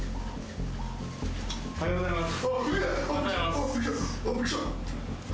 おはようございます。